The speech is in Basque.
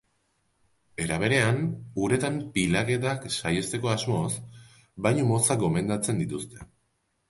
Era berean, uretan pilaketak saihesteko asmoz, bainu motzak gomendatzen dituzte.